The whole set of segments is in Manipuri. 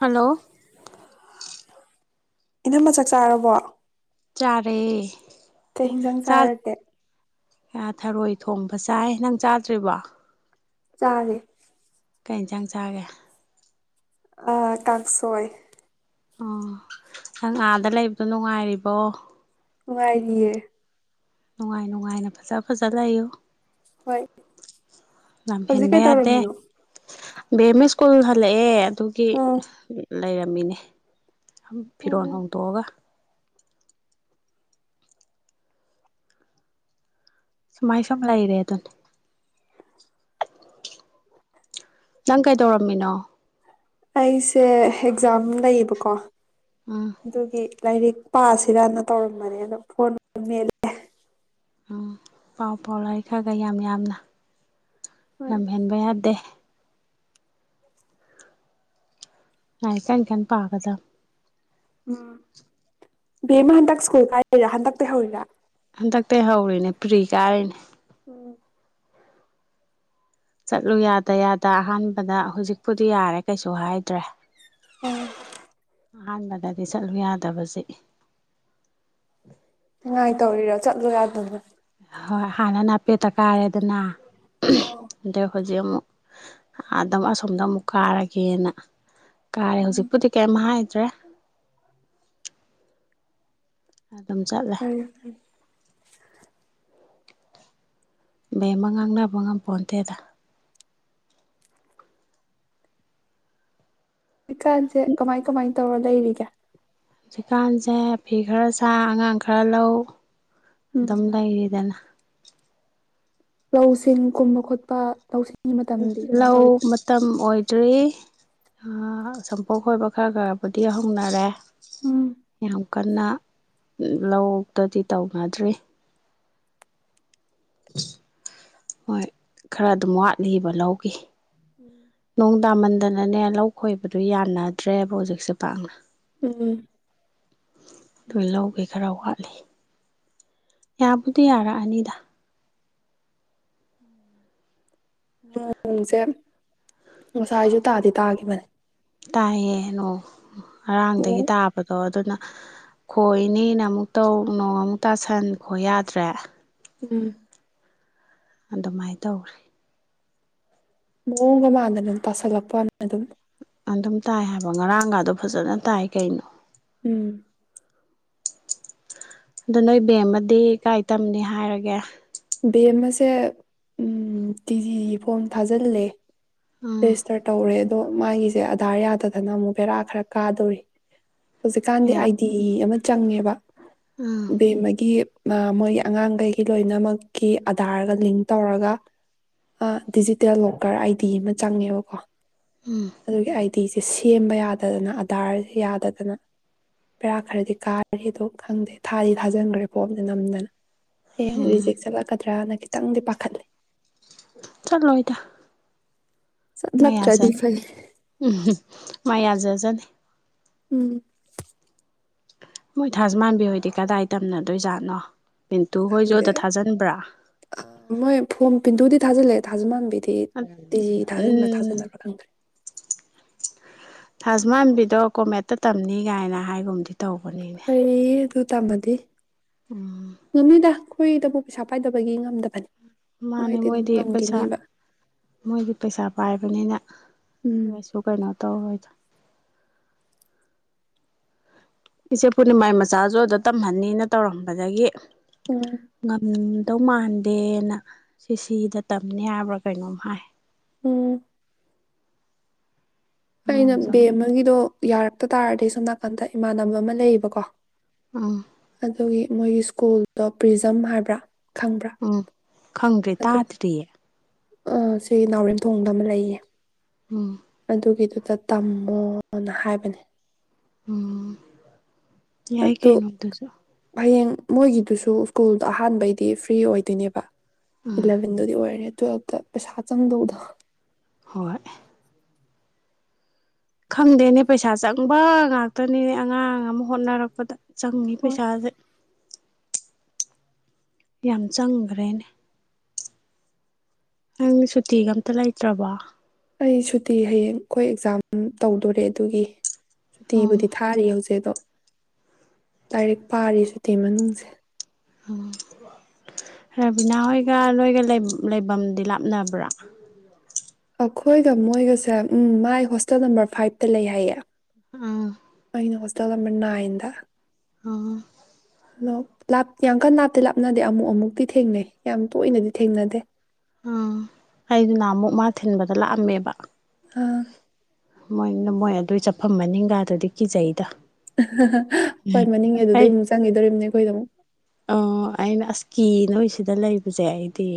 ꯍꯜꯂꯣ꯫ ꯏꯅꯝꯃ ꯆꯥꯛ ꯆꯥꯔꯕꯣ꯫ ꯆꯔꯦ꯫ ꯀꯩ ꯍꯤꯟꯖꯥꯡ ꯆꯥꯔꯒꯦ꯫ ꯑ ꯊꯔꯣꯏ ꯊꯣꯡꯕ ꯆꯥꯏ ꯅꯪ ꯆꯥꯗ꯭ꯔꯤꯕꯣ꯫ ꯆꯥꯔꯦ꯫ ꯀꯩ ꯏꯟꯁꯥꯡ ꯆꯥꯒꯦ꯫ ꯑ ꯀꯥꯛꯁꯣꯏ꯫ ꯑꯣ ꯅꯪ ꯑꯥꯗ ꯂꯩꯕꯗꯣ ꯅꯨꯡꯉꯥꯏꯔꯤꯕꯣ꯫ ꯅꯨꯡꯉꯥꯏꯔꯤꯌꯦ꯫ ꯅꯨꯡꯉꯥꯏ ꯅꯨꯡꯉꯥꯏꯅ ꯐꯖ ꯐꯖ ꯂꯩꯌꯨ꯫ ꯍꯣꯏ ꯂꯝ ꯍꯧꯖꯤꯛ ꯍꯦꯟꯕ ꯌꯥꯗꯦ ꯀꯩꯇꯧꯔꯝꯃꯤꯅꯣ꯫ ꯕꯦꯝꯃ ꯁ꯭ꯀꯨꯜ ꯍꯜꯂꯛꯑꯦ꯫ ꯑꯗꯨꯒꯤ ꯂꯩꯔꯝꯃꯤꯅꯦ ꯐꯤꯔꯣꯜ ꯍꯣꯡꯗꯣꯛꯑꯒ ꯁꯨꯃꯥꯏ ꯁꯝ ꯂꯩ ꯔꯦ ꯑꯗꯨꯅꯦ [inaudible] ꯅꯪ ꯀꯩꯗꯧꯔꯝꯃꯤꯅꯣ ꯑꯩꯁꯦ ꯑꯦꯛꯖꯥꯝ ꯂꯩꯌꯦꯕꯀꯣ ꯎꯝ ꯑꯗꯨꯒꯤ ꯂꯥꯏꯔꯤꯛ ꯄꯥꯁꯤꯔꯅ ꯇꯧꯔꯝꯕꯅꯤ ꯑꯗꯣ ꯐꯣꯟ ꯃꯦꯠꯂꯦ ꯎꯝ ꯄꯥꯎ ꯄꯥꯎ ꯂꯥꯏꯔꯤꯛ ꯈꯔ ꯒ ꯌꯥꯝ ꯌꯥꯝꯅ ꯍꯣꯏ ꯉꯝꯍꯦꯟꯕ ꯌꯥꯗꯦ [inaudible] ꯂꯥꯏꯔꯤꯛ ꯀꯟ ꯀꯟ ꯄꯥꯒꯗꯝ ꯎꯝ ꯕꯦꯝꯃ ꯍꯟꯗꯛ ꯁ꯭ꯀꯨꯜ ꯀꯥꯏꯔꯤꯔ ꯍꯟꯗꯛꯇ ꯍꯧꯔꯤꯔ ꯍꯟꯗꯛꯇ ꯍꯧꯔꯤꯅꯦ ꯄ꯭ꯔꯤ ꯀꯥꯔꯤꯅꯦ ꯎꯝ ꯆꯠꯂꯨ ꯌꯥꯗ ꯌꯥꯗ ꯑꯍꯥꯟꯕꯗ ꯍꯧꯖꯤꯛꯄꯨꯗꯤ ꯌꯥꯔꯦ ꯀꯩꯁꯨ ꯍꯥꯏꯗ꯭ꯔꯦ ꯎꯝ ꯑꯍꯥꯟꯕꯗꯗꯤ ꯆꯠꯂꯨ ꯌꯥꯗꯕꯁꯦ ꯇꯔꯌ ꯇꯧꯔꯤꯔ ꯆꯠꯂꯣ ꯌꯥꯗꯕ ꯍꯣꯏ ꯍꯥꯟꯅꯅꯄꯦꯠꯇ ꯀꯥꯔꯦꯗꯅ ꯑꯣ ꯖꯤꯛ ꯑꯃꯨꯛ ꯑꯗꯥ ꯑꯁꯣꯝꯗ ꯑꯃꯨꯛ ꯀꯥꯔꯒꯦꯅ ꯀꯥꯔꯦ ꯎꯝ ꯍꯧꯖꯤꯛꯄꯨꯗꯤ ꯀꯔꯤꯝ ꯍꯥꯏꯗ꯭ꯔꯦ ꯑꯗꯨꯝ ꯆꯠꯂꯦ ꯐꯔꯦ ꯐꯔꯦ ꯕꯦꯝꯃ ꯉꯥꯡꯅꯕ ꯉꯝꯄꯣꯟꯇꯦꯗ ꯍꯧꯖꯤꯛꯀꯥꯟꯁꯦ ꯀꯃꯥꯏ ꯀꯃꯥꯏ ꯇꯧꯔ ꯂꯩꯔꯤꯒꯦ ꯍꯧꯖꯤꯛꯀꯥꯟꯁꯦ ꯐꯤ ꯈꯔ ꯁꯥ ꯑꯉꯥꯡ ꯈꯔ ꯂꯧ ꯎꯝ ꯑꯗꯨꯝ ꯂꯩ ꯏꯗꯅ ꯂꯧꯁꯤꯡ ꯀꯨꯝꯕ ꯈꯣꯠꯄ ꯂꯧꯁꯤꯡ ꯂꯧ ꯃꯇꯝ ꯑꯣꯏ ꯑꯗꯨꯏ ꯁꯝꯄꯣꯛ ꯈꯣꯏꯕ ꯈꯔ ꯈꯔꯕꯨꯗꯤ ꯍꯧꯅꯔꯦ ꯎꯝ ꯌꯥꯝ ꯀꯟꯅ ꯂꯧꯗꯗꯤ ꯇꯧꯅꯗ꯭ꯔꯤ ꯍꯣꯏ ꯈꯔ ꯑꯗꯨꯝ ꯋꯥꯠꯂꯤꯕ ꯂꯧꯈꯤ ꯅꯣꯡꯗꯥ ꯃꯟꯗꯟ ꯅꯅꯦ ꯂꯧ ꯈꯣꯏꯕꯗꯨ ꯌꯥꯅꯗ꯭ꯔꯦꯕ ꯍꯧꯖꯤꯛꯁꯦ ꯄꯥꯛꯅ ꯎꯝ ꯑꯗꯨ ꯂꯧꯒꯦ ꯈꯔ ꯋꯥꯠꯂꯤ ꯌꯥꯕꯨꯗꯤ ꯌꯥꯔꯛꯑꯅꯤꯗ ꯅꯣꯡꯖꯦ ꯉꯁꯥꯏ ꯑꯩꯁꯨ ꯇꯥꯗꯤ ꯇꯥꯒꯤꯈꯤꯕꯅꯦ ꯇꯥꯏꯌꯦ ꯅꯣꯡ ꯉꯔꯥꯡꯗꯒꯤ ꯑꯣ ꯇꯥꯕꯗꯣ ꯑꯗꯨꯅ ꯈꯣꯏꯅꯦꯅ ꯑꯃꯨꯛꯇꯧ ꯅꯣꯡ ꯑꯃꯨꯛ ꯇꯥꯁꯟ ꯈꯣꯏ ꯌꯥꯗ꯭ꯔꯦ ꯎꯝ ꯑꯗꯨꯃꯥꯏꯅ ꯇꯧꯈ꯭ꯔꯦ ꯃꯑꯣꯡꯒ ꯃꯥꯟꯗꯅ ꯑꯗꯨꯝ ꯇꯥꯁꯜꯂꯛꯄ ꯑꯗꯨꯝ ꯑꯗꯨꯝ ꯇꯥꯏ ꯍꯥꯏꯕ ꯉꯔꯥꯡꯒꯗꯣ ꯐꯖꯅ ꯇꯥꯏ ꯀꯩꯅꯣ ꯎꯝ ꯑꯗ ꯅꯣꯏ ꯕꯦꯝꯃꯗꯤ ꯀꯥꯏ ꯇꯝꯅꯤ ꯍꯥꯏꯔꯒꯦ ꯕꯦꯝꯃꯁꯦ ꯎꯝ ꯇꯤ ꯖꯤꯒꯤ ꯐꯣꯝ ꯊꯥꯖꯤꯜꯂꯦ ꯎꯝ ꯔꯦꯖꯤꯁꯇꯔ ꯇꯧꯔꯦ ꯑꯗꯣ ꯃꯥꯒꯤꯁꯦ ꯑꯙꯥꯔ ꯌꯥꯗꯗꯅ ꯑꯃꯨꯛ ꯕꯦꯔꯥ ꯈꯔ ꯀꯥꯗꯣꯔꯤ ꯍꯧꯖꯤꯛꯀꯥꯟꯗꯤ ꯑꯥꯏ ꯗꯤ ꯑꯃ ꯆꯪꯉꯦꯕ ꯎꯝ ꯕꯦꯝꯃꯒꯤ ꯃꯣꯏꯒꯤ ꯑꯉꯥꯡꯈꯩꯒꯤ ꯂꯣꯏꯅꯃꯛ ꯀꯤ ꯑꯗꯥꯔꯒ ꯂꯤꯡ ꯇꯧꯔꯒ ꯗꯤꯖꯤꯇꯦꯜ ꯂꯣꯀꯔ ꯑꯥꯏꯗꯤ ꯑꯃ ꯆꯪꯉꯦꯕꯀꯣ ꯑꯗꯨꯗꯒꯤ ꯇꯤꯁꯦ ꯁꯦꯝꯕ ꯌꯥꯗꯗꯅ ꯑꯗꯥꯔꯁꯦ ꯌꯥꯗꯗꯅ ꯕꯦꯔꯥ ꯈꯔꯗꯤ ꯀꯥꯔꯤꯗꯣ ꯈꯪꯗꯦ ꯊꯥꯗꯤ ꯊꯥꯖꯤꯟꯈ꯭ꯔꯦ ꯐꯣꯝ ꯅꯝꯗꯅ [unintelligible] ꯆꯀꯗ꯭ꯔꯥꯅ ꯈꯤꯇꯪꯗꯤ ꯄꯥꯈꯠꯂꯤ ꯆꯠꯂꯣꯏꯗ ꯃꯥꯏ ꯆꯠꯂꯛꯇ꯭ꯔꯗꯤ ꯌꯥꯖꯅꯤ ꯐꯩ ꯎꯝ ꯃꯥꯏꯌꯥꯖꯖꯅꯤ ꯎꯝ ꯃꯣꯏ ꯊꯥꯖꯃꯥꯟꯕꯤꯍꯣꯏꯗꯤ ꯀꯗꯥꯏ ꯇꯝꯅꯗꯣꯏꯖꯥꯠꯅꯣ ꯄꯤꯟꯇꯨ ꯍꯣꯏꯁꯨ ꯈꯪꯗꯦ ꯑꯗꯥ ꯊꯥꯖꯤꯟꯕ꯭ꯔꯥ ꯄꯤꯟꯗꯨꯗꯤ ꯊꯥꯜꯂꯦ ꯊꯥꯖꯃꯥꯟꯕꯤꯗꯤ ꯇꯤ ꯖꯤ ꯊꯥꯖꯤꯟꯕ꯭ꯔꯥ ꯎꯝ ꯊꯥꯖꯟꯕ꯭ꯔꯥ ꯈꯪꯗ꯭ꯔꯦ ꯊꯥꯖꯃꯥꯟꯕꯤꯗꯣ ꯀꯣꯃꯦꯠꯇ ꯇꯝꯅꯤ ꯀꯥꯏꯅ ꯍꯥꯏꯒꯨꯝꯗꯤ ꯇꯧꯕꯅꯤꯅꯦ ꯇꯃꯗꯤ ꯎꯝ [unintelligible] ꯍꯨꯏꯗꯕꯨ ꯄꯩꯁꯥ ꯄꯥꯏꯗꯕꯒꯤ ꯉꯝꯗꯕꯅꯤ ꯃꯥꯅꯦ ꯑꯗꯨꯝ ꯃꯣꯏꯗꯤ ꯄꯩꯁꯥ ꯉꯝꯈꯤꯅꯤꯕ ꯃꯣꯏꯗꯤ ꯄꯩꯁꯥ ꯄꯥꯏꯕ ꯑꯗꯨꯅꯤꯅ ꯎꯝ [unintelligible] ꯀꯩꯅꯣ ꯇꯧꯔꯣꯏꯗ ꯏꯆꯦ ꯄꯨꯔꯅꯤꯃꯥꯏ ꯃꯆꯥꯁꯨ ꯑꯗꯨꯗ ꯇꯝꯍꯟꯅꯤꯅ ꯇꯧꯔꯝꯕꯗꯒꯤ ꯎꯝ ꯉꯝ ꯀꯗꯧ ꯃꯥꯟꯗꯦꯅ ꯁꯤ ꯁꯤꯗ ꯇꯝꯅꯤ ꯍꯥꯏꯕ꯭ꯔꯥ ꯀꯩꯅꯣꯝ ꯍꯥꯏ ꯎꯨ ꯑꯩꯅ ꯃꯣꯏꯁꯨ ꯕꯦꯝꯑꯃꯒꯤꯗꯣ ꯌꯥꯔꯛꯇ ꯇꯥꯔꯗꯤ ꯁꯣꯝ ꯅꯥꯀꯟꯗ ꯏꯃꯥꯟꯅꯕ ꯑꯃ ꯂꯩꯌꯦꯕꯀꯣ ꯎꯝ ꯑꯗꯨꯒꯤ ꯃꯣꯏꯒꯤ ꯁ꯭ꯀꯨꯜꯗꯣ ꯄ꯭ꯔꯤꯖꯝ ꯍꯥꯏꯕ꯭ꯔꯥ ꯈꯪꯕ꯭ꯔꯥ ꯈꯪꯗ꯭ꯔꯦ ꯇꯥꯗ꯭ꯔꯤꯌꯦ ꯑ ꯁꯤ ꯅꯥꯎꯔꯦꯝꯊꯣꯡꯗ ꯑꯃ ꯂꯩꯌꯦ ꯎꯝ ꯑꯗꯨꯒꯤꯗꯨꯗ ꯇꯝꯃꯣꯅ ꯍꯥꯏꯕꯅꯦ ꯎꯝ ꯌꯥꯏ ꯀꯩ ꯑꯗꯨ ꯅꯣ ꯗꯨꯁꯨ ꯍꯌꯦꯡ ꯃꯣꯏꯒꯤꯗꯨꯁꯨ ꯁ꯭ꯀꯨꯜꯗ ꯑꯍꯥꯟꯕꯩꯗꯤ ꯐ꯭ꯔꯤ ꯑꯣꯏꯗꯣꯏꯅꯦꯕ ꯎꯝ ꯏꯂꯕꯟꯗꯨꯗꯤ ꯑꫭꯏꯔꯤ ꯇꯨꯋꯦꯜꯇ ꯄꯩꯁꯥ ꯆꯪꯗꯧꯗ ꯍꯣꯏ ꯈꯪꯗꯦꯅꯦ ꯄꯩꯁꯥ ꯆꯪꯕ ꯉꯥꯛꯇꯅꯤꯅꯦ ꯑꯉꯥꯡ ꯑꯃ ꯍꯣꯠꯅꯔꯛꯄꯗ ꯆꯪꯉꯤ ꯍꯣꯏ ꯄꯩꯁꯥꯁꯦ ꯌꯥꯝ ꯆꯪꯈ꯭ꯔꯦꯅꯦ ꯅꯪ ꯁꯨꯇꯤꯒ ꯑꯝꯇ ꯂꯩꯇ꯭ꯔꯕꯣ ꯑꯩ ꯁꯨꯇꯤ ꯍꯌꯦꯡ ꯑꯩꯈꯣꯏ ꯑꯦꯛꯖꯥꯝ ꯇꯧꯗꯣꯔꯦ ꯑꯗꯨꯒꯤ ꯎꯝ ꯁꯨꯇꯤꯕꯨꯗꯤ ꯊꯥꯔꯤ ꯍꯧꯖꯤꯛ ꯑꯗꯣ ꯂꯥꯏꯔꯤꯛ ꯄꯥꯔꯤ ꯁꯨꯇꯤ ꯃꯅꯨꯡꯁꯦ ꯎꯝ ꯔꯕꯤꯅꯥ ꯍꯣꯏꯒ ꯅꯣꯏꯒ ꯂꯩꯐꯝꯗꯤ ꯂꯥꯞꯅꯕ꯭ꯔꯥ ꯑꯩꯈꯣꯏꯒ ꯃꯣꯏꯒꯁꯦ ꯎꯝ ꯃꯥꯏ ꯍꯣꯁꯇꯦꯜ ꯅꯝꯕꯔ ꯐꯥꯏꯚꯇ ꯂꯩ ꯍꯥꯏꯌꯦ ꯑꯥ ꯗ ꯃꯅꯅ ꯑꯗ [unintelligible] ꯑ ꯑꯗꯣ ꯌꯥꯡ ꯀꯟ ꯂꯥꯞꯇꯦ ꯂꯥꯞꯅꯗꯦ ꯑꯃꯨꯛ ꯑꯃꯨꯛꯇꯤ ꯊꯦꯡꯅꯩ ꯌꯥꯝ ꯇꯣꯏꯅꯗꯤ ꯊꯦꯡꯅꯗꯦ ꯎꯝ ꯑꯩꯗꯨꯅ ꯑꯃꯨꯛ ꯃꯥ ꯊꯤꯟꯕꯗ ꯂꯥꯛꯑꯝꯃꯦꯕ ꯑꯥ ꯃꯣꯏꯅ ꯃꯣꯏ ꯑꯗꯨꯏ ꯆꯠꯐꯝꯃꯅꯤꯡꯒꯗꯨꯗꯤ ꯀꯤꯖꯩꯗ ꯍꯣꯏ ꯃꯅꯤꯡ ꯑꯩ ꯑꯗꯨꯗꯩ ꯑꯃꯨꯛ ꯆꯪꯈꯤꯗꯣꯝꯅꯦ ꯑꯩꯈꯣꯏꯗ ꯑꯃꯨꯛ ꯑꯣ ꯑꯩꯅ ꯑꯁ ꯀꯤ ꯅꯣꯏ ꯁꯤꯗ ꯂꯩꯕꯁꯦ ꯑꯩꯗꯤ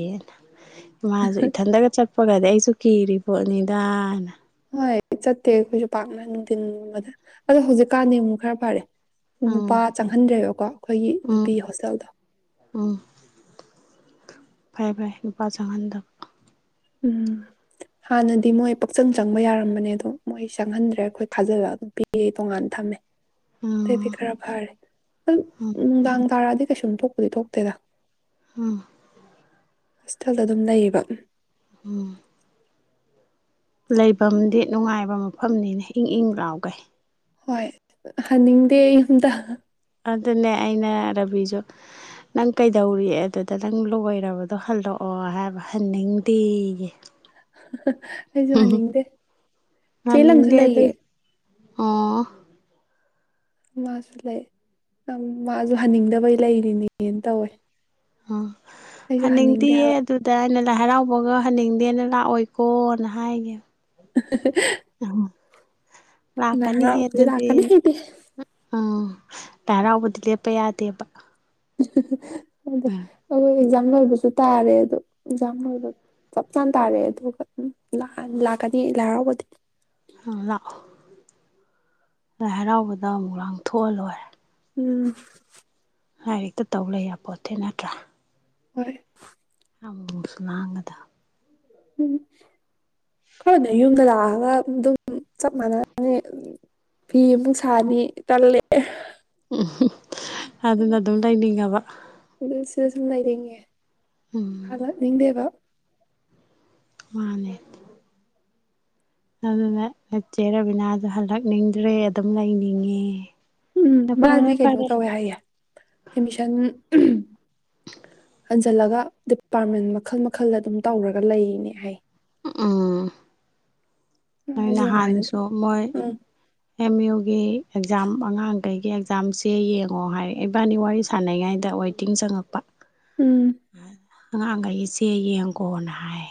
ꯃꯥꯁꯨ ꯏꯊꯟꯗꯒ ꯆꯠ ꯍꯥꯄꯒꯗꯤ ꯑꯩꯁꯨ ꯀꯤꯔꯤ ꯄꯣꯠꯅꯤꯗꯥꯅ ꯍꯣꯏ ꯆꯠꯇꯦ ꯑꯩꯈꯣꯏꯁꯨ ꯄꯥꯛꯅ ꯅꯨꯡꯊꯤꯟꯒꯨꯝꯕꯗ ꯑꯗꯣ ꯍꯧꯖꯤꯛꯀꯥꯟꯗꯤ ꯑꯃꯨꯛ ꯈꯔ ꯐꯔꯦ ꯅꯨꯄꯥ ꯎꯝ ꯆꯪꯍꯟꯗ꯭ꯔꯦꯕꯀꯣ ꯑꯩꯈꯣꯏꯒꯤ ꯎꯝ ꯅꯨꯄꯤ ꯍꯣꯁꯇꯦꯜꯗꯣ ꯎꯝ ꯐꯔꯦ ꯐꯔꯦ ꯅꯨꯄꯥ ꯆꯪꯍꯟꯗꯕ ꯎꯝ ꯍꯥꯟꯅꯗꯤ ꯃꯣꯏ ꯄꯛꯆꯪ ꯆꯪꯕ ꯌꯥꯔꯝꯕꯅꯦ ꯑꯗꯣ ꯃꯣꯏ ꯆꯪꯍꯟꯗ꯭ꯔꯦ ꯑꯈꯣꯏ ꯈꯥꯖꯤꯜꯂꯒ ꯄꯤꯔꯦ ꯇꯣꯡꯉꯥꯟ ꯊꯝꯃꯦ ꯑꯇꯩꯗꯤ ꯎꯝ ꯈꯔ ꯐꯔꯦ ꯍꯨꯡ ꯅꯨꯡꯗꯥꯡ ꯇꯔꯛꯑꯗꯤ ꯀꯩꯁꯨꯝ ꯊꯣꯛꯄꯗꯤ ꯊꯣꯛꯇꯦꯗ ꯎꯝ ꯍꯣꯁꯇꯦꯜꯗ ꯑꯗꯨꯝ ꯂꯩꯌꯦꯕ ꯎꯝ ꯂꯩꯕꯝꯗꯤ ꯅꯨꯡꯉꯥꯏꯕ ꯃꯐꯝꯅꯤꯅꯦ ꯏꯪ ꯏꯪ ꯂꯥꯎꯒꯩ ꯍꯣꯏ ꯍꯟꯅꯤꯡꯗꯦ ꯌꯨꯝꯗ ꯑꯗꯨꯅꯦ ꯑꯩꯅ ꯔꯕꯤꯁꯨ ꯅꯪ ꯀꯩꯗꯧꯔꯤ ꯑꯗꯨꯗ ꯅꯪ ꯂꯣꯏꯔꯕꯗꯣ ꯍꯜꯂꯛꯑꯣ ꯍꯥꯏꯕ ꯍꯟꯅꯤꯡꯗꯦꯌꯦ [unintelligible] ꯑꯩꯁꯨ ꯍꯟꯅꯤꯡꯗꯦ ꯆꯦ ꯂꯪꯁꯨ ꯂꯩꯌꯦ ꯎꯝ ꯃꯥꯁꯨ ꯂꯩ ꯑꯝ ꯃꯥꯁꯨ ꯍꯟꯅꯤꯡꯗꯕꯩ ꯂꯩꯔꯤꯅꯦꯅ ꯇꯧꯋꯦ ꯎꯝ ꯑꯩꯁꯨ ꯍꯟꯅꯤꯡꯗꯦ ꯍꯟꯅꯤꯡꯗꯤꯌꯦ ꯍꯥꯏꯕ ꯑꯗꯨꯗ ꯑꯩꯅ ꯂꯥꯏ ꯍꯔꯥꯎꯕꯒ ꯍꯟꯅꯤꯡꯗꯦꯅ ꯂꯥꯛꯑꯣꯏꯀꯣ ꯅ ꯍꯥꯏꯒꯤꯝ [unintelligible] ꯂꯥꯏ ꯂꯥꯛꯀꯅꯤꯍꯦ ꯍꯔꯥꯎꯕꯗꯤ ꯑꯗꯨꯗꯤ ꯂꯥꯀꯅꯤ ꯑꯩꯗꯤ ꯑꯥ ꯂꯥꯏ ꯍꯔꯥꯎꯕꯗꯤ ꯂꯦꯞꯄ ꯌꯥꯗꯦꯕ [unintelligible] ꯑꯩꯗꯣ ꯎꯝ ꯑꯦꯛꯖꯥꯝ ꯥꯅꯣꯏꯒꯤꯁꯨ ꯇꯥꯔꯦ ꯑꯗꯨ ꯑꯦꯛꯖꯥꯝ ꯂꯣꯏꯕ ꯆꯞ ꯆꯥꯟ ꯇꯥꯔꯦ ꯑꯗꯨꯒ ꯎꯝ ꯅꯍꯥꯟ ꯂꯥꯛꯀꯅꯤ ꯂꯥꯏ ꯍꯔꯥꯎꯕꯗꯤ ꯂꯥꯛꯑꯣ ꯂꯥꯏ ꯍꯔꯥꯎꯕꯗ ꯑꯃꯨꯛ ꯂꯥꯡꯊꯣꯛꯑ ꯂꯣꯏꯔꯦ ꯎꯝ ꯂꯥꯏꯔꯤꯛꯇ ꯇꯧ ꯂꯩ ꯌꯥꯄꯣꯠꯇꯦ ꯅꯠꯇ꯭ꯔꯥ ꯍꯣꯏ ꯑꯃꯨꯃꯨꯛꯁꯨ ꯂꯥꯡꯒꯗ ꯎꯝ ꯈꯔꯥꯅꯤ ꯌꯨꯝꯗ ꯂꯥꯛꯑꯒ ꯑꯗꯨꯝ ꯆꯞ ꯃꯥꯟꯅꯅꯤ ꯐꯤ ꯑꯃꯨꯛ ꯁꯥꯅꯤ ꯇꯜꯂꯛꯑꯦ [unintelligible] ꯑꯗꯨꯅ ꯑꯗꯨꯝ ꯂꯩꯅꯤꯡꯉꯕ ꯑꯗꯨ ꯁꯤꯗ ꯁꯨꯝ ꯂꯩꯅꯤꯡꯉꯦ ꯎꯝ ꯍꯜꯂꯛꯅꯤꯡꯗꯦꯕ ꯃꯥꯅꯦ ꯑꯗꯨꯅ ꯆꯦ ꯔꯕꯤꯅꯥꯗꯣ ꯍꯜꯂꯛꯅꯤꯡꯗ꯭ꯔꯦ ꯑꯗꯨꯝ ꯂꯩꯅꯤꯡꯉꯦ ꯎꯝ ꯐꯔꯦ ꯃꯥꯗꯤ ꯀꯩꯅꯣ ꯐꯔꯦ ꯇꯧꯋꯦ ꯍꯥꯏꯌꯦ ꯑꯦꯠꯃꯤꯁꯟ ꯍꯟꯖꯜꯂꯒ ꯗꯤꯄꯥꯔꯠꯃꯦꯟ ꯃꯈꯜ ꯃꯈꯜꯗ ꯑꯗꯨꯝ ꯇꯧꯔꯒ ꯂꯩꯏꯔꯤꯅꯦ ꯍꯥꯏꯌꯦ ꯎ ꯎꯝ ꯑꯩꯁꯨ ꯑꯗꯨꯝ ꯍꯥꯏꯅꯗꯦ ꯅꯍꯥꯟꯁꯨ ꯃꯣꯏ ꯎꯝ ꯑꯦꯝ ꯌꯨꯒꯤ ꯑꯦꯛꯖꯥꯝ ꯑꯉꯥꯡꯈꯩꯒꯤ ꯑꯦꯛꯖꯥꯝ ꯆꯦ ꯌꯦꯡꯉꯣ ꯍꯥꯏꯔꯛ ꯏꯕꯥꯅꯤ ꯋꯥꯔꯤ ꯁꯥꯟꯅꯉꯩꯗ ꯋꯦꯇꯤꯡ ꯆꯪꯉꯛꯄ ꯎꯝ ꯑꯉꯥꯡꯈꯩꯒꯤ ꯆꯦ ꯌꯦꯡꯒꯣꯅ ꯍꯥꯏ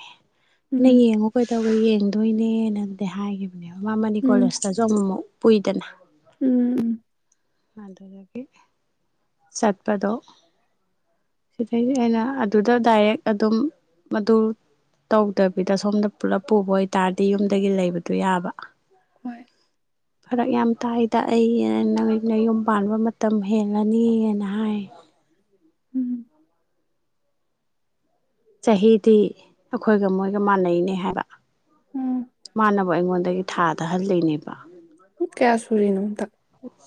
ꯩꯅ ꯎꯝ ꯌꯦꯡꯉꯣ ꯀꯩꯗꯧ ꯌꯦꯡꯗꯣꯏꯅꯦꯅꯗꯤ ꯍꯥꯏꯈꯤꯕ [unintelligible] ꯎꯝ ꯀꯣꯂꯦꯁꯇꯥꯖꯨ ꯑꯃꯨꯃꯨꯛ ꯀꯨꯏꯗꯅ ꯎꯝ ꯎꯝ ꯑꯗꯨꯗꯒꯤ ꯆꯠꯄꯗꯣ ꯁꯤꯗꯩꯗꯤ ꯑꯩꯅ ꯑꯗꯨꯗ ꯗꯥꯏꯔꯦꯛ ꯑꯗꯨꯝ ꯃꯗꯨ ꯇꯧꯗꯕꯤꯗ ꯁꯣꯝꯗ ꯄꯨꯂꯞ ꯄꯨꯕ ꯑꯣꯏꯇꯥꯔꯗꯤ ꯌꯨꯝꯗꯒꯤ ꯂꯩꯕꯗꯣ ꯌꯥꯕ ꯍꯣꯏ ꯐꯥꯔꯛ ꯌꯥꯝ ꯇꯥꯏꯗ ꯑꯩ ꯩꯅꯌꯨꯝ ꯄꯥꯟꯕ ꯃꯇꯝ ꯍꯦꯜꯂꯅꯤꯅ ꯍꯥꯏ ꯎꯝ ꯆꯍꯤꯗꯤ ꯑꯩꯈꯣꯏꯒ ꯃꯣꯏꯒ ꯃꯥꯟꯅꯩꯅꯦ ꯍꯥꯏꯕ ꯎꯝ ꯃꯥꯟꯅꯕ ꯑꯩꯉꯣꯟꯗꯒꯤ ꯊꯥꯗꯍꯜꯂꯤꯅꯦꯕ ꯀꯌꯥ ꯁꯨꯔꯤꯅꯣ ꯍꯟꯗꯛ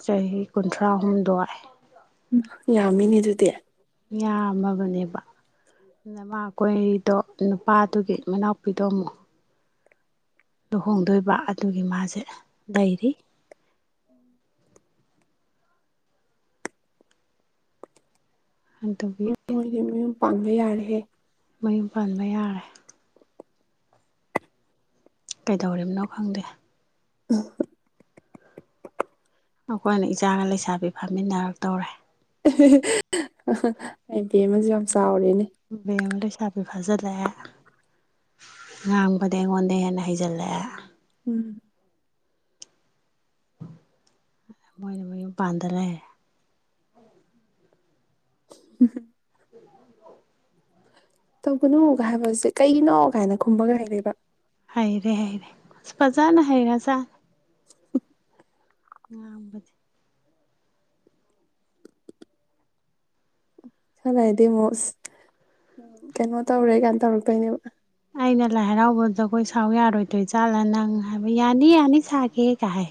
ꯆꯍꯤ ꯀꯨꯟꯊ꯭ꯔꯥꯍꯨꯝꯗꯣꯏ ꯎꯝ ꯌꯥꯝꯃꯤꯅꯦ ꯑꯗꯨꯗꯤ ꯌꯥꯝꯃꯕꯅꯦꯕ ꯃꯥꯅ ꯀꯣꯏꯔꯤꯗꯣ ꯅꯨꯄꯥꯗꯨꯒꯤ ꯃꯅꯥꯎꯄꯤꯗꯣ ꯑꯃꯨꯛ ꯂꯨꯍꯣꯡꯗꯣꯏꯕ ꯑꯗꯨꯒꯤ ꯃꯥꯁꯦ ꯂꯩꯔꯤ ꯑꯗꯨꯒꯤ ꯃꯣꯏꯗꯤ ꯃꯌꯨꯝ ꯄꯥꯟꯕ ꯌꯥꯔꯦꯍꯦ ꯃꯌꯨꯝ ꯄꯥꯟꯕ ꯌꯥꯔꯦ ꯀꯩꯗꯧꯔꯤꯕꯅꯣ ꯈꯪꯗꯦ [unintelligible] ꯑꯩꯈꯣꯏꯅ ꯏꯆꯥꯒ ꯂꯩꯁꯥꯕꯤ ꯐꯥꯃꯤꯟꯅꯔꯛꯇꯧꯔꯦ ꯍꯥꯏꯗꯤ ꯑꯃꯁꯨ ꯌꯥꯝ ꯆꯥꯎ [unintelligible] ꯐꯥꯖꯤꯜꯂꯛꯑꯦ ꯉꯥꯡꯕꯗꯤ ꯑꯩꯉꯣꯟꯗ ꯍꯦꯟꯅ ꯍꯩꯖꯜꯂꯛꯑꯦ ꯎꯝ ꯃꯣꯏꯅ ꯃꯌꯨꯝ ꯄꯥꯟꯗ ꯂꯩꯔꯦ [unintelligible] [unintelligible] ꯇꯧꯒꯅꯨꯒ ꯍꯥꯏꯕꯁꯦ ꯀꯩꯒꯤꯅꯣ ꯀꯥꯏꯅ ꯈꯨꯝꯕꯒ ꯍꯩꯔꯦꯕꯥ ꯍꯩꯔꯦ ꯍꯩꯔꯦ ꯑꯁ ꯐꯖꯥꯅ ꯍꯩꯒꯔꯖꯥꯠ ꯉꯥꯡꯕꯗꯤ ꯈꯔ ꯂꯩꯔꯗꯤ ꯑꯃꯨꯛ ꯑꯁ ꯀꯩꯅꯣ ꯇꯧꯔꯦ ꯀꯥꯏ ꯇꯧꯔꯛꯇꯣꯏꯅꯦꯕ ꯑꯩꯅ ꯂꯥꯏ ꯍꯔꯥꯎꯕꯗ ꯖꯒꯣꯏ ꯁꯥꯎ ꯌꯥꯔꯣꯏꯗꯣꯏꯖꯥꯠꯂꯥ ꯅꯪ ꯍꯥꯏꯕ ꯌꯥꯅꯤ ꯌꯥꯅꯤ ꯁꯥꯒꯦ ꯀꯥꯏ ꯍꯥꯏ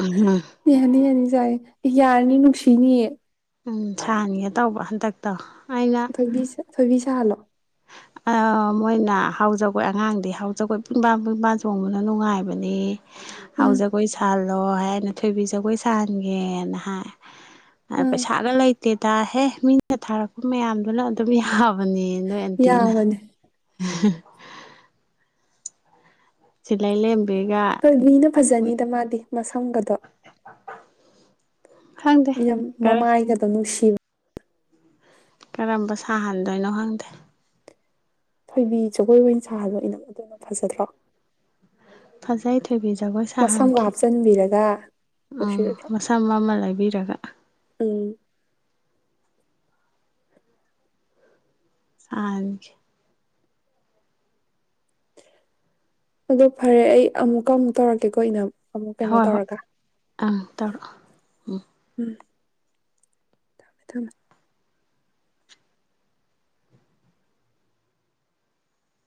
ꯎꯝ ꯌꯥꯅꯤ ꯌꯥꯅꯤ ꯌꯥꯏꯌꯦ ꯌꯥꯔꯅꯤ ꯅꯨꯡꯁꯤꯅꯤꯌꯦ ꯎꯝ ꯁꯥꯍꯟꯒꯦ ꯇꯧꯕ ꯍꯟꯗꯛꯇꯣ ꯑꯩꯅ ꯊꯣꯏꯕꯤ ꯊꯣꯏꯕꯤ ꯁꯥ ꯍꯥꯜꯂꯣ ꯃꯣꯏꯅ ꯍꯥꯎꯖꯈꯣꯏ ꯑꯉꯥꯡꯗꯤ ꯍꯥꯎꯖꯈꯣꯏ ꯄꯨꯡꯕꯥ ꯄꯨꯡꯕꯥ ꯆꯣꯡꯕꯅ ꯅꯨꯡꯉꯥꯏꯕꯅꯤ ꯑꯥ ꯍꯧꯥꯎꯖ ꯀꯣꯏ ꯆꯜ ꯑꯗꯣ ꯍꯥꯏꯅ ꯊꯣꯏꯕꯤ ꯖꯒꯣꯏ ꯁꯥꯍꯟꯒꯦꯅ ꯍꯥꯏ ꯑ ꯄ ꯑꯥ ꯁꯒꯂꯥꯏꯇꯦ ꯇꯍꯦ ꯃꯤꯅ ꯊꯥꯔꯛꯄ ꯃꯌꯥꯝꯗꯨꯅ ꯑꯗꯨꯝ ꯌꯥꯕꯅꯦ ꯇꯅ ꯌꯥꯕꯅꯦ ꯁꯤꯜꯂꯩ ꯂꯦꯝꯕꯤꯒ ꯍꯣꯏ ꯃꯤꯅ ꯃꯣꯏ ꯐꯖꯅꯤꯗ ꯃꯥꯗꯤ ꯃꯁꯝꯒꯗꯣ ꯈꯪꯗꯦ ꯌꯥꯝ ꯀꯔꯝ ꯃꯃꯥꯏꯒꯗꯧ ꯅꯨꯡꯁꯤ ꯇ ꯀꯔꯝꯕ ꯁꯥꯍꯟꯗꯣꯏꯅꯣ ꯈꯪꯗꯦ ꯊꯣꯏꯕꯤ ꯖꯒꯣꯏ ꯑꯣꯏꯅ ꯁꯥꯗꯣ ꯏꯅꯝ ꯑꯗꯨꯅ ꯐꯖꯗ꯭ꯔꯣ ꯌꯥꯥꯏꯗꯦ ꯊꯣꯏꯕꯤ ꯖꯒꯣꯏ ꯃꯁꯝꯒ ꯁꯥꯍꯟꯈꯤ ꯍꯥꯞꯆꯤꯟꯕꯤꯔꯒ ꯎꯝ ꯅꯨꯡꯁꯤꯔꯣꯏꯗ꯭ꯔꯣ ꯃꯁꯝ ꯑꯃ ꯂꯩꯕꯤꯔꯒ ꯎꯝ ꯑ ꯑꯗꯨ ꯐꯔꯦ ꯑꯩ ꯑꯃꯨꯛꯀ ꯑꯃꯨꯛ ꯇꯧꯔꯛꯀꯦꯀꯣ ꯑꯩꯅ ꯍꯣꯏ ꯍꯣꯏ ꯑꯇꯧꯔ ꯎꯝ ꯊꯝꯃꯦ ꯊꯝꯃꯦ